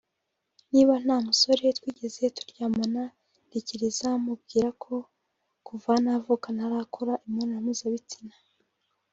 niba nta musore twigeze turyamana ndikiriza mubwira ko kuva navuka ntarakora imibonano mpuzabitsina